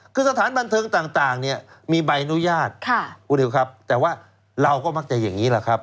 คือสถานบันเทิงต่างเนี่ยมีใบอนุญาตค่ะคุณนิวครับแต่ว่าเราก็มักจะอย่างนี้แหละครับ